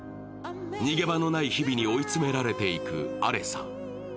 逃げ場のない日々に追い詰められていくアレサ。